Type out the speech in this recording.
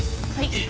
はい。